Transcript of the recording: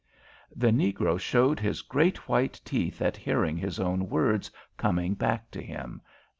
The negro showed his great white teeth at hearing his own words coming back to him.